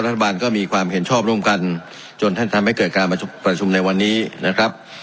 รัฐบาลก็มีความเห็นชอบร่วมกันจนท่านทำให้เกิดการประชุมในวันนี้นะครับ